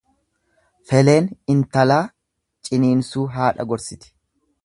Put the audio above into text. Feleen intalaa ciniinsuu haadha gorsiti.